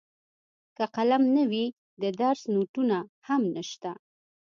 که قلم نه وي د درس نوټونه هم نشته.